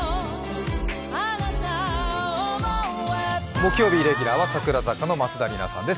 木曜日レギュラーは櫻坂の松田里奈さんです。